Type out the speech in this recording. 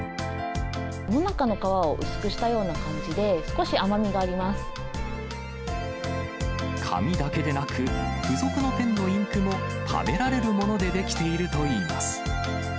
もなかの皮を薄くしたような紙だけでなく、付属のペンのインクも食べられるもので出来ているといいます。